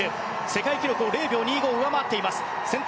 世界記録を０秒２５上回っています。